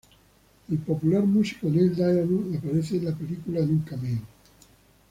El popular músico Neil Diamond aparece en la película en un cameo.